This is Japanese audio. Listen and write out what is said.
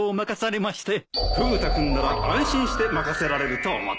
フグ田君なら安心して任せられると思ってね